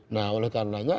nah oleh karenanya